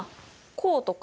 こうとか？